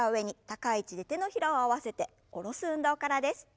高い位置で手のひらを合わせて下ろす運動からです。